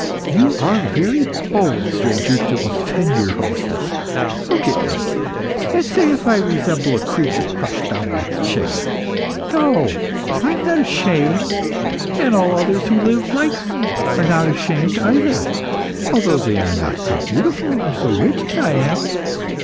"You are very bold, stranger, to offend your hostess. Look at me, and say if I resemble a creature crushed down with shame. No, I am not ashamed, and all others who live like me are not ashamed either, although they are not so beautiful or so rich as I am.